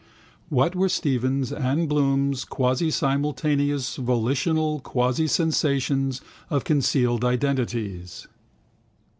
What were Stephen's and Bloom's quasisimultaneous volitional quasisensations of concealed identities?